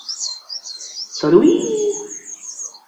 So do we.